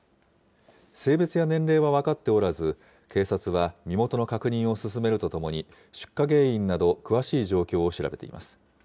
性別や年齢は分かっておらず、警察は身元の確認を進めるとともに、出火原因など、詳しい状況を調べています。